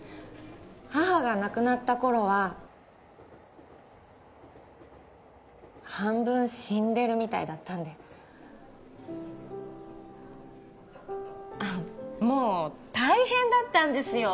母が亡くなった頃は半分死んでるみたいだったんであっもう大変だったんですよ